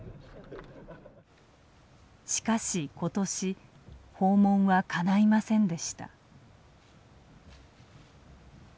しかし今年訪問はかないませんでした。